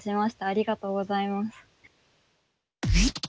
ありがとうございます。